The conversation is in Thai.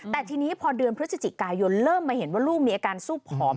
แต่ทีนี้พอเดือนพฤศจิกายนเริ่มมาเห็นว่าลูกมีอาการสู้ผอม